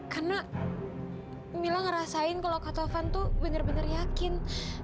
karena mila ngerasain kalau kak taufan tuh benar benar yakin